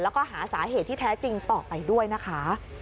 แล้วก็หาสาเหตุที่แท้จริงต่อไปด้วยนะคะ